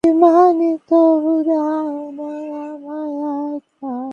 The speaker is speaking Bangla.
নৈশপ্রহরীদের মাধ্যমে খবর পেয়ে সঙ্গে সঙ্গে ফায়ার সার্ভিসকে খবর দেওয়া হয়।